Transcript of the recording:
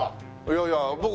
いやいや僕